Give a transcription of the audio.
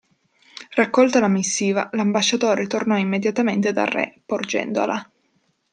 Raccolta la missiva, l'ambasciatore tornò immediatamente dal Re, porgendola.